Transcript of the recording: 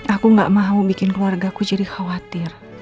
aku gak mau bikin keluarga aku jadi khawatir